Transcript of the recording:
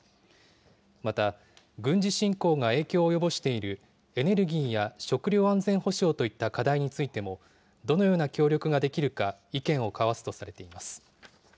また、軍事侵攻が影響を及ぼしているエネルギーや食料安全保障といった課題についても、どのような協力ができるか、意見を交わすとされています。